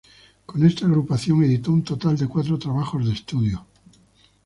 Con esta agrupación, editó un total de cuatro trabajos de estudio.